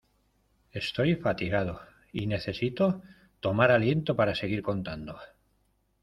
Estoy fatigado y necesito tomar aliento para seguir contando.